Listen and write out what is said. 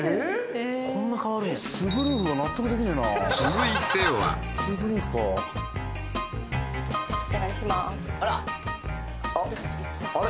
こんな変わるんやスグルンフが納得できねえなスグルンフかお願いしまーすあらあっあれ？